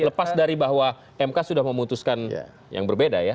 lepas dari bahwa mk sudah memutuskan yang berbeda ya